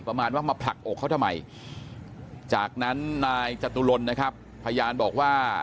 ประมาณว่ามาผลักอกเขาทำไมจากนั้นนายจตุรนนะครับพยานบอกว่า